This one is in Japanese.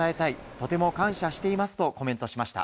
とても感謝していますとコメントしました。